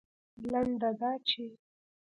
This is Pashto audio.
لنډه دا چې